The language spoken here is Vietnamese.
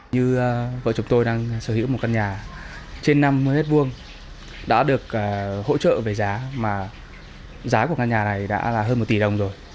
như vợ chúng tôi đang sở hữu một căn nhà trên năm mươi m hai đã được hỗ trợ về giá mà giá của căn nhà này đã là hơn một tỷ đồng rồi